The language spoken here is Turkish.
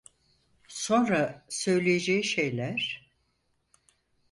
Sonra söyleyeceği şeyler…